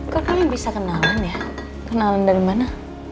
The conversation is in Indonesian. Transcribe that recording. kan kalian bisa kenalan ya kenalan dari mana